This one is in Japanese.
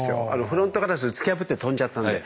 フロントガラス突き破って飛んじゃったんで。